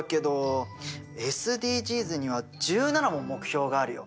ＳＤＧｓには１７も目標があるよ。